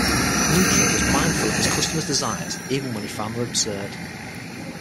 Neutra was mindful of his customer's desires even when he found them absurd.